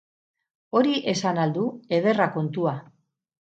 Hori esan al du? Ederra kontua!